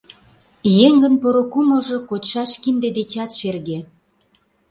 Еҥын поро кумылжо кочшаш кинде дечат шерге.